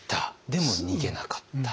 でも逃げなかった。